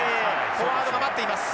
フォワードが待っています。